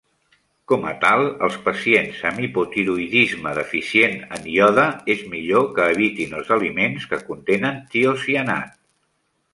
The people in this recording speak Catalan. Com a tal, els pacients amb hipotiroïdisme deficient en iode és millor que evitin els aliments que contenen tiocianat.